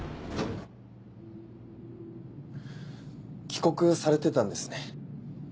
帰国されてたんですね。